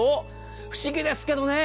不思議ですけどね。